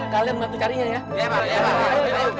kalian nanti carinya ya